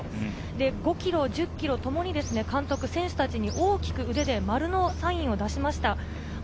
５ｋｍ、１０ｋｍともに選手たちに大きくマルのサインを出しました。